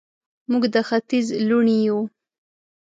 موږ د ختیځ لوڼې یو